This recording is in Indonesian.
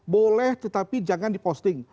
boleh tetapi jangan diposting